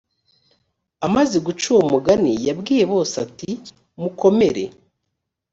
amaze guca uwo mugani yabwiye bose ati mukomere